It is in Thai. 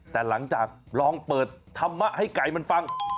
แต่หลังจากลองเปิดธรรมะให้ไก่มันฟัง